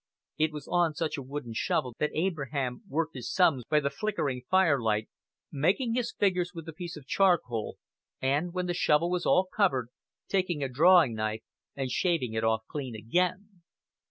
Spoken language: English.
It was on such a wooden shovel that Abraham worked his sums by the flickering firelight, making his figures with a piece of charcoal, and, when the shovel was all covered, taking a drawing knife and shaving it off clean again.